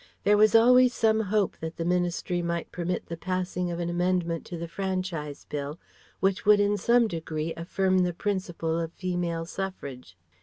There was always some hope that the Ministry might permit the passing of an amendment to the Franchise Bill which would in some degree affirm the principle of Female Suffrage.